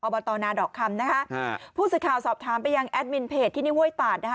บตนาดอกคำนะคะผู้สื่อข่าวสอบถามไปยังแอดมินเพจที่นี่ห้วยตาดนะคะ